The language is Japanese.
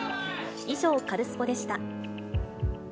以上、カルスポっ！でした。